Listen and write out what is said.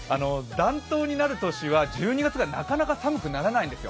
暖冬になる年は１２月がなかなか寒くならないんですよ。